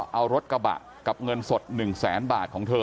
เอารถกระบะกับเงินสด๑แสนบาทของเธอ